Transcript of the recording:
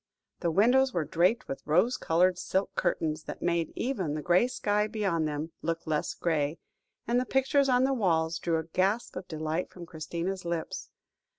The windows were draped with rose coloured silk curtains, that made even the grey sky beyond them look less grey, and the pictures on the walls drew a gasp of delight from Christina's lips.